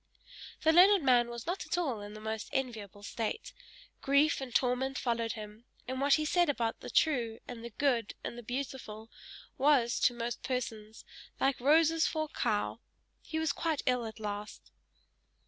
The learned man was not at all in the most enviable state; grief and torment followed him, and what he said about the true, and the good, and the beautiful, was, to most persons, like roses for a cow! He was quite ill at last.